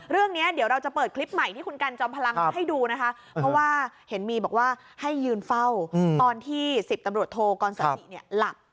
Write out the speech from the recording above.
เรื่องนี้เดี๋ยวเราจะเปิดคลิปใหม่ที่คุณกันจอมพลังให้ดูนะคะเพราะว่าเห็นมีบอกว่าให้ยืนเฝ้าตอนที่๑๐ตำรวจโทกรสาธิหลับ